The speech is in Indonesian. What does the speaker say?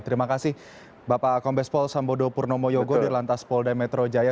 terima kasih bapak kombes pol sambodo purnomo yogo di lantas polda metro jaya